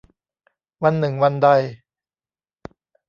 วันหนึ่งวันใด